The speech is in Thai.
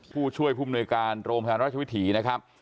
ผู้ช่วยผู้มนุยการโรงพยาบาลราชวิถีนะครับ